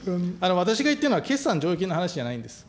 私が言ってるのは決算剰余金の話じゃないんです。